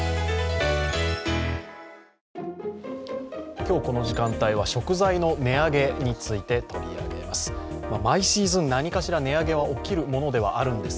今日この時間帯は食材の値上げについて取り上げます。